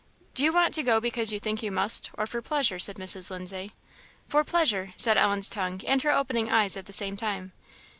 "Do you want to go because you think you must, or for pleasure?" said Mrs. Lindsay. "For pleasure," said Ellen's tongue and her opening eyes at the same time.